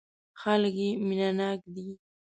خلک یې مینه ناک دي.